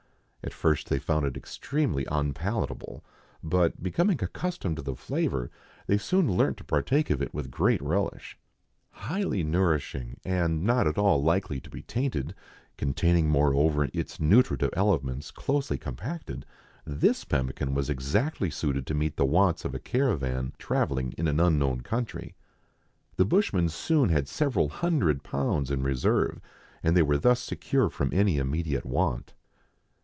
At first they found it extremely unpalatable, but, becoming accustomed to the flavour, they soon learnt to partake of it with great relish. Highly nourishing, and not at all likely to be tainted, containing, moreover, its nutritive elements closely compacted, this pemmican was exactly suited to meet the wants of a cara van travelling in an unknown country. The bushman soon had several hundred pounds in reserve, and they were thus secure from any immediate want.